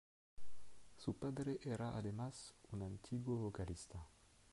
Su padre era además un antiguo vocalista.